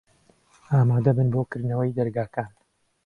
ئامادە بن بۆ کردنەوەی دەرگاکان.